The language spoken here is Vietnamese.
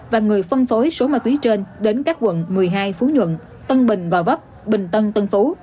và người phân phối số ma túy trên đến các quận một mươi hai phú nhuận tân bình gò vấp bình tân tân phú